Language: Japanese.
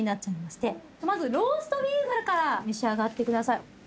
まずローストビーフから召し上がってください。